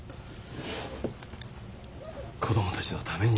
子供たちのために。